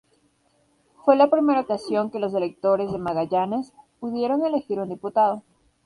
Fue la primera ocasión que los electores de Magallanes pudieron elegir un diputado.